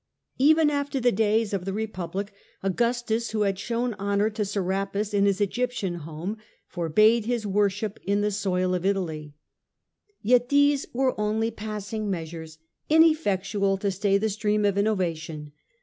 Even after the days of the Republic, Augustus, who had shown honour to Serapis in his Egyptian home, forbade his worship on the soil of Italy. Yet these were only pass ing measures, ineffectual to stay the stream of innovation.